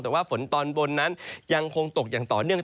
แต่ว่าฝนตอนบนนั้นยังคงตกอย่างต่อเนื่อง